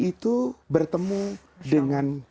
itu bertemu dengan